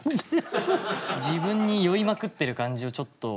自分に酔いまくってる感じをちょっと。